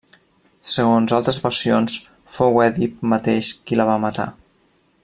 Segons altres versions, fou Èdip mateix qui la va matar.